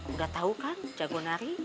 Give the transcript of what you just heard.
udah tau kan jago nari